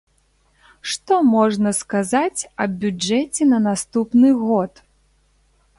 Што можна сказаць аб бюджэце на наступны год?